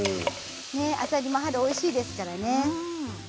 あさりも春おいしいですからね。